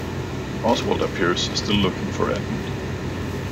Oswald appears, still looking for Edmund.